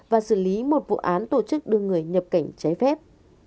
và xử lý một vụ án tổ chức đưa người nhập cảnh trái phép